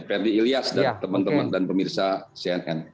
ferdi ilyas dan teman teman dan pemirsa cnn